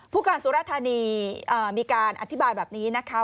ผู้การสุรธานีมีการอธิบายแบบนี้นะคะ